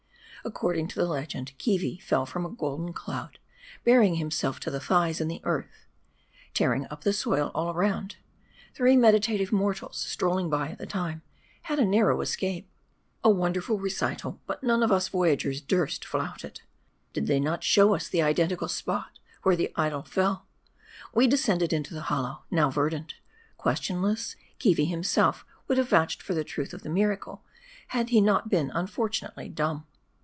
According to the legend, Keevi fell from a golden cloud, burying himself 'to the thighs in the earth, tearing up the soil aU round. Three meditative mortals, strolling by at the time, had a narrow escape. A wonderful recital ; but none of us Voyagers durst flout it. Did they not show" us the identical spot where the idol fell ? We descended into the hollow, now verdant. Ques tionless, Keevi himself would have vouched for the truth of the miracle, had he not been unfortunately dumb.